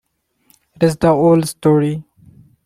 It's the old story.